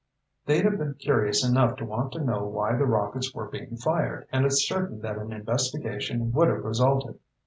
They'd have been curious enough to want to know why the rockets were being fired, and it's certain that an investigation would have resulted.